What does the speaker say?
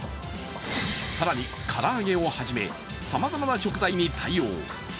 更に、唐揚げをはじめ、さまざまな食材に対応。